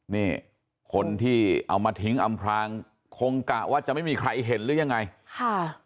นี่คนที่เอามาทิ้งอำพลางคงกะว่าจะไม่มีใครเห็นหรือยังไงค่ะ